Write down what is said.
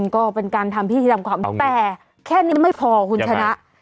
ก็เป็นการทำพิธีทำความดีแต่แค่นี้ไม่พอคุณชนะ